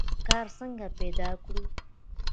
کار څنګه پیدا کړو؟